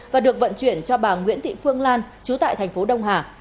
và được vận chuyển cho bà nguyễn thị phương lan chú tại thành phố đông hà